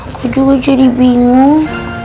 aku juga jadi bingung